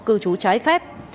cư trú trái phép